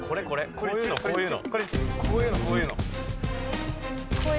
こういうのこういうの。